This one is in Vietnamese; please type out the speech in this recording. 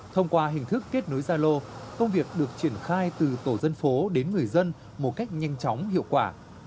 thông qua hình thức kết nối gia lô công việc được triển khai từ tổ dân phố đến người dân một cách nhanh chóng hiệu quả